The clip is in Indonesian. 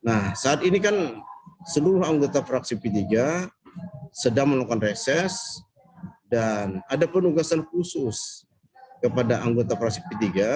nah saat ini kan seluruh anggota fraksi p tiga sedang melakukan reses dan ada penugasan khusus kepada anggota praksi p tiga